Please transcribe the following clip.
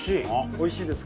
おいしいですか。